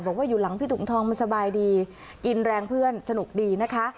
บอกว่าอยู่หลังพี่ถุงทองมันสบายดีกินแรงเพื่อนสนุกดีนะคะ